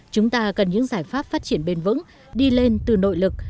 chúng ta cần những giải pháp phát triển bền vững đi lên từ nội lực